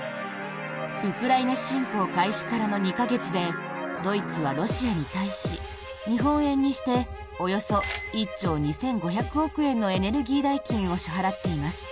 ウクライナ侵攻開始からの２か月でドイツはロシアに対し日本円にしておよそ１兆２５００億円のエネルギー代金を支払っています。